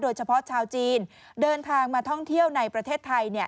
ชาวจีนเดินทางมาท่องเที่ยวในประเทศไทย